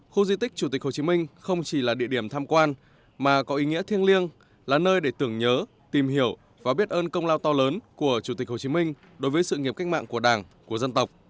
khu di tích chủ tịch hồ chí minh không chỉ là địa điểm tham quan mà có ý nghĩa thiêng liêng là nơi để tưởng nhớ tìm hiểu và biết ơn công lao to lớn của chủ tịch hồ chí minh đối với sự nghiệp cách mạng của đảng của dân tộc